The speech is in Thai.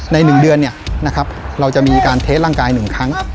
ในหนึ่งเดือนเนี่ยนะครับเราจะมีการเทสร่างกายหนึ่งครั้ง